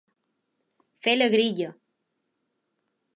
Fer la grilla.